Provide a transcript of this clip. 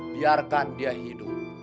biarkan dia hidup